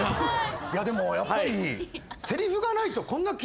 でもやっぱり。